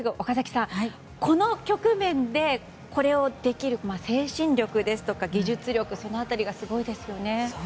岡崎さん、この局面でこれをできる精神力ですとか技術力、その辺りがすごいですよね。